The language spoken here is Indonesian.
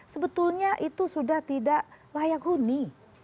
sebetulnya itu sudah tidak layak huni